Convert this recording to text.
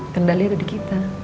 kendali ada di kita